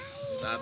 satu dua tiga